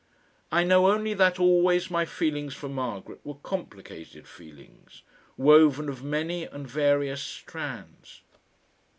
I know only that always my feelings for Margaret were complicated feelings, woven of many and various strands.